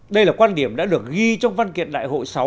đây là quan điểm đã được ghi trong văn kiện đại hội sáu